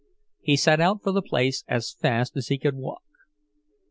He set out for the place as fast as he could walk.